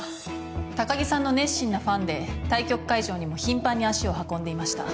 高城さんの熱心なファンで対局会場にも頻繁に足を運んでいました。